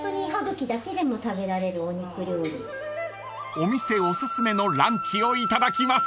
［お店おすすめのランチをいただきます］